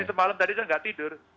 semalam tadi saya nggak tidur